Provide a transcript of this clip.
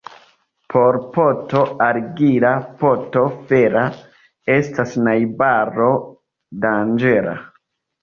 Por poto argila poto fera estas najbaro danĝera.